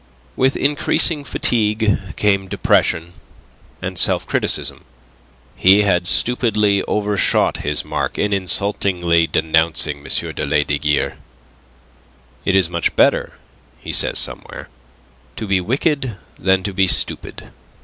With increasing fatigue came depression and self criticism. He had stupidly overshot his mark in insultingly denouncing M. de Lesdiguieres. "It is much better," he says somewhere, "to be wicked than to be stupid.